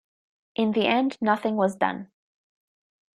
In the end nothing was done.